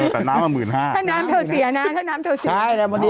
ถ้าน้ำอนะ๑๕๐๐๐บาท